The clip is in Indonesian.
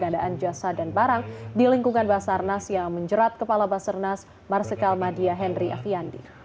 dan barang di lingkungan basarnas yang menjerat kepala basarnas marsikal muda agung handoko